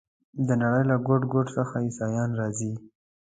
د نړۍ له ګوټ ګوټ څخه عیسویان راځي.